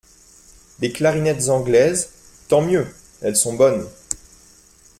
Des clarinettes anglaises ? Tant mieux ! elles sont bonnes.